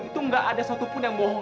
itu nggak ada satupun yang bohong